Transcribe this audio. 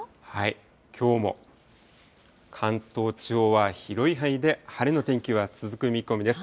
きょうも関東地方は広い範囲で晴れの天気が続く見込みです。